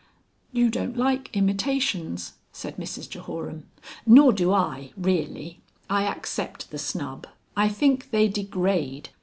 "You don't like Imitations," said Mrs Jehoram. "Nor do I really. I accept the snub. I think they degrade...."